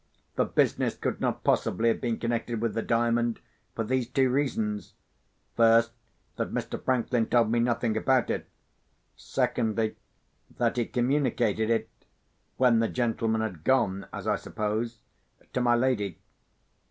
The business could not possibly have been connected with the Diamond, for these two reasons—first, that Mr. Franklin told me nothing about it; secondly, that he communicated it (when the gentleman had gone, as I suppose) to my lady.